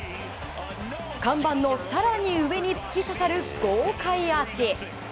看板の更に上に突き刺さる豪快アーチ。